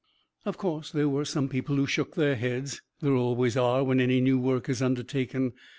Of course there were some people who shook their heads; there always are when any new work is undertaken.